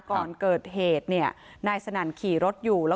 ก่อนเกิดเหตุเนี่ยนายสนั่นขี่รถอยู่